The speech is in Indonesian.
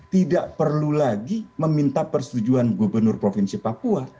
tidak perlu lagi meminta persetujuan gubernur provinsi papua